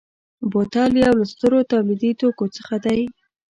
بوتل یو له سترو تولیدي توکو څخه دی.